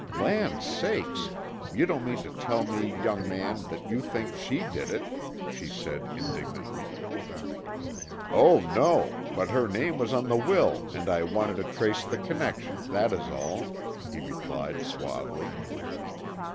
"Land sakes, you don't mean to tell me, young man, that you think she did it?" she said indignantly. "Oh, no, but her name was on the will and I wanted to trace the connection, that is all," he replied suavely.